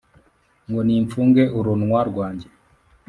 ngo nimfunge urunwa rwanjye